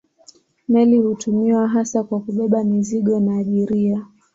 Meli hutumiwa hasa kwa kubeba mizigo na abiria.